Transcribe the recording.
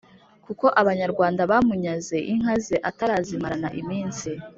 kuko abanyarwanda bamunyaze inka ze atarazimarana iminsi,